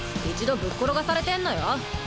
一度ぶっ転がされてんのよ。